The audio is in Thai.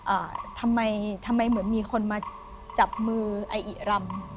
อ่าทำไมทำไมเหมือนมีคนมาจับมือไอ้อิรำ